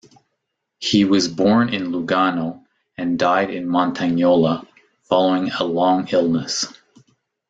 He was born in Lugano and died in Montagnola following a long illness.